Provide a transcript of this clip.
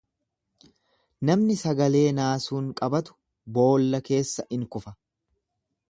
Namni sagalee naasuun baqatu boolla keessa in kufa.